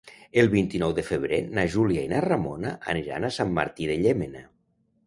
El vint-i-nou de febrer na Júlia i na Ramona aniran a Sant Martí de Llémena.